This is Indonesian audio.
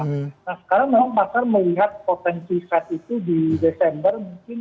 nah sekarang memang pasar melihat potensi fed itu di desember mungkin